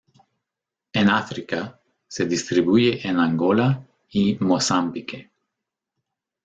En África, se distribuye en Angola, y Mozambique.